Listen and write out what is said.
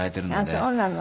あっそうなの。